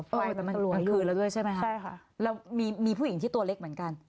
เออแต่มันสะหรัวอยู่แล้วด้วยใช่ไหมครับใช่ค่ะแล้วมีมีผู้หญิงที่ตัวเล็กเหมือนกัน